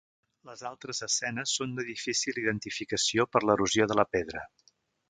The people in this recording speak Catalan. Les altres escenes són de difícil identificació per l'erosió de la pedra.